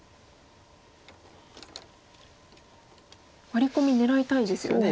ワリコミ狙いたいですよね。